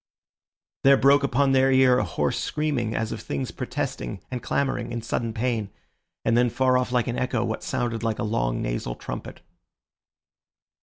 There broke upon their ear a hoarse screaming as of things protesting and clamouring in sudden pain; and then, far off like an echo, what sounded like a long nasal trumpet.